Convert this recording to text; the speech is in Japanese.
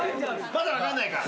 まだ分かんないから。